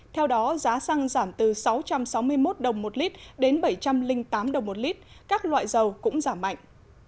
theo đó giá xăng giảm từ sáu trăm sáu mươi một đồng một lít đến bảy trăm linh tám đồng một lít các loại dầu cũng giảm mạnh